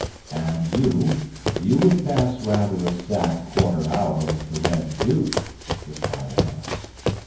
"And you—you would pass rather a sad quarter hour with the Red Duke," replied Aramis.